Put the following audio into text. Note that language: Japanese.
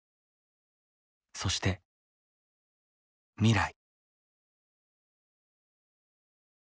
そして未来。